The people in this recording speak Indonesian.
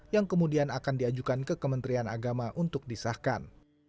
yang kemudian akan diajukan ke kementerian agama untuk disahkan